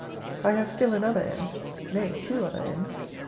I have still another end; nay, two other ends.